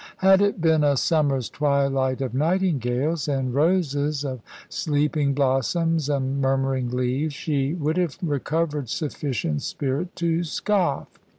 Had it been a summer's twilight of nightingales and roses, of sleeping blossoms and murmuring leaves, she would have recovered sufficient spirit to scoff.